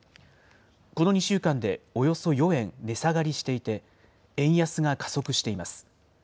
この２週間でおよそ４円値下がりしていて、円安が加速しています。